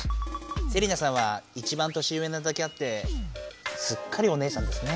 セリナさんは一番年上なだけあってすっかりお姉さんですね。